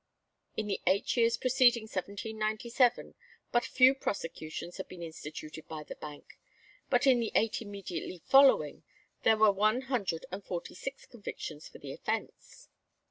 In the eight years preceding 1797 but few prosecutions had been instituted by the Bank; but in the eight immediately following there were one hundred and forty six convictions for the offence.